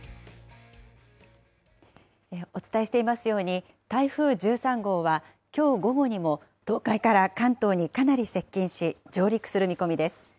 お伝えしていますように、台風１３号は、きょう午後にも東海から関東にかなり接近し、上陸する見込みです。